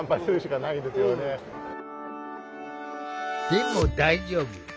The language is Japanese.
でも大丈夫！